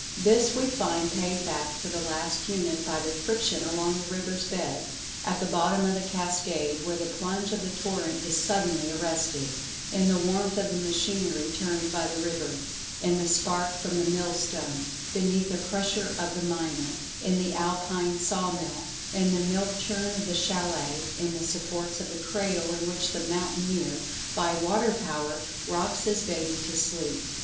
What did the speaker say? This we find paid back to the last unit by the friction along the river's bed; at the bottom of the cascade, where the plunge of the torrent is suddenly arrested; in the warmth of the machinery turned by the river; in the spark from the millstone; beneath the crusher of the miner; in the Alpine saw mill; in the milk churn of the chalet; in the supports of the cradle in which the mountaineer, by water power, rocks his baby to sleep.